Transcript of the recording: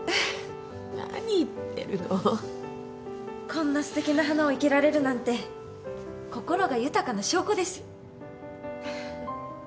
こんなすてきな花を生けられるなんて心が豊かな証拠です。